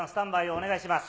お願いします。